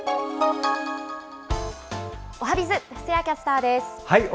おはＢｉｚ、布施谷キャスターです。